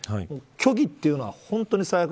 虚偽というのは、本当に最悪。